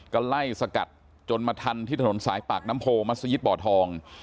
ก็ไล่สกัดจนมาทันที่ถนนสายปากน้ำโพมัศยิตบ่อทอง